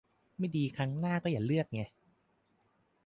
ไม่ดีครั้งหน้าก็อย่าเลือกไง